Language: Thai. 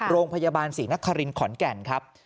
โรงพยาบาลศรีนครินขอนแก่นครับ